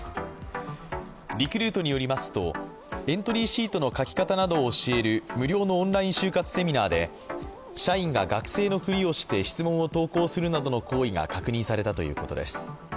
リクルートによりますとエントリーシートの書き方などを教える無料のオンライン就活セミナーで社員が学生のふりをして質問を投稿するなどの行為が確認されたということです。